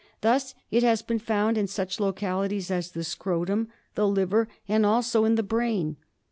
Thus it has been found in such localities as the scrotum, the liver, and also in the brain.